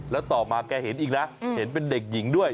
แล้วต่อมาแกเห็นอีกนะเห็นเป็นเด็กหญิงด้วย